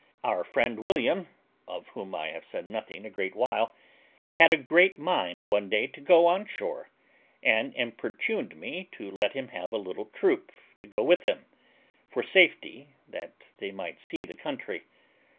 Our friend William, of whom I have said nothing a great while, had a great mind one day to go on shore, and importuned me to let him have a little troop to go with him, for safety, that they might see the country.